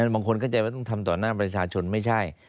บางคนเข้าใจว่าต้องทำต่อหน้าประชาชนไม่ใช่